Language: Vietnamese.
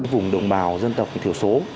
vùng đồng bào dân tộc thiểu số